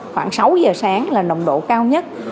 khoảng sáu giờ sáng là nồng độ cao nhất